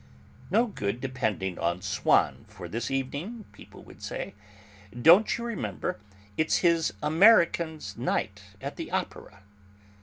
"No good depending on Swann for this evening," people would say; "don't you remember, it's his American's night at the Opera?"